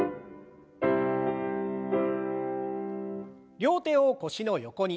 両手を腰の横に。